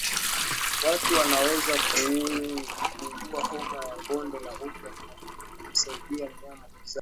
Watu wanaweza kuugua homa ya bonde la ufa kwa kumsaidia mnyama kuzaa